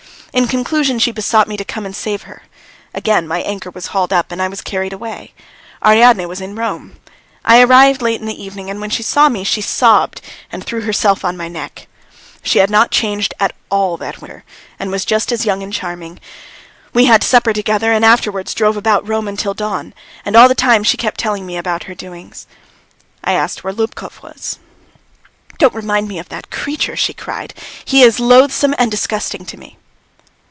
In conclusion she besought me to come and save her. Again my anchor was hauled up and I was carried away. Ariadne was in Rome. I arrived late in the evening, and when she saw me, she sobbed and threw herself on my neck. She had not changed at all that winter, and was just as young and charming. We had supper together and afterwards drove about Rome until dawn, and all the time she kept telling me about her doings. I asked where Lubkov was. "Don't remind me of that creature!" she cried. "He is loathsome and disgusting to me!"